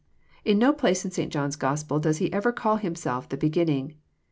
In no place In St. John's Gospel does He ever call Himself the beginning."